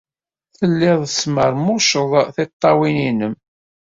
Telliḍ tesmermuceḍ tiṭṭawin-nnem.